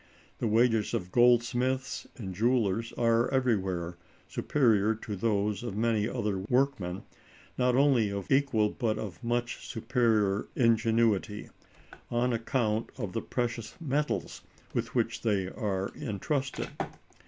The wages of goldsmiths and jewelers are everywhere superior to those of many other workmen, not only of equal but of much superior ingenuity, on account of the precious materials with which they are intrusted."